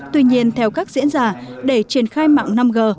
tuy nhiên theo các diễn giả để triển khai mạng năm g